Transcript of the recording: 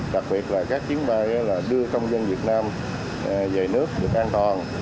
đặc biệt là các chiến bay đưa công dân việt nam về nước được an toàn